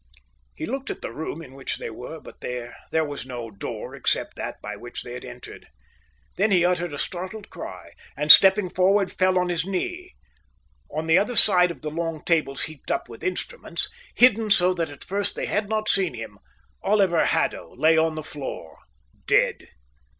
He looked at the room in which they were, but there was no door except that by which they had entered. Then he uttered a startled cry, and stepping forward fell on his knee. On the other side of the long tables heaped up with instruments, hidden so that at first they had not seen him, Oliver Haddo lay on the floor, dead.